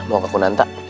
mau ke kun'anta